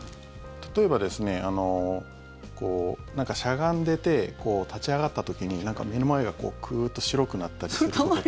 例えばしゃがんでて、立ち上がった時に目の前がクーッと白くなったりすることって。